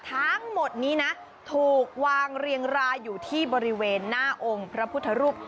ทั้งหมดนี้นะถูกวางเรียงรายอยู่ที่บริเวณหน้าองค์พระพุทธรูป